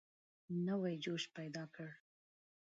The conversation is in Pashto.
نوی جوش پیدا کړ.